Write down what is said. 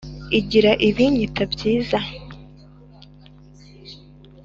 igira ibinyita byiza !"